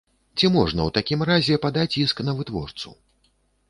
Ці можна ў такім разе падаць іск на вытворцу?